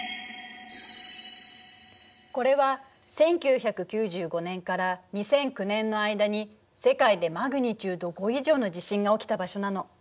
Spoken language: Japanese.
これは１９９５年から２００９年の間に世界でマグニチュード５以上の地震が起きた場所なの。